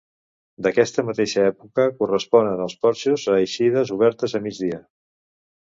D'aquesta mateixa època corresponen els porxos o eixides oberts a migdia.